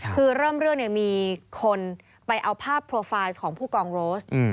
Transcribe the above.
คือเริ่มเรื่องเนี่ยมีคนไปเอาภาพโปรไฟล์ของผู้กองโรส